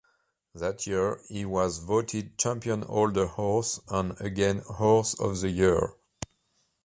That year, he was voted Champion Older Horse and again Horse of the Year.